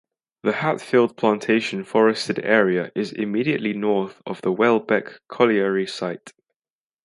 The Hatfield Plantation forested area is immediately north of the Welbeck Colliery site.